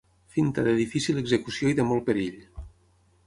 Finta de difícil execució i de molt perill.